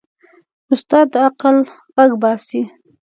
استاد د عقل غږ باسي.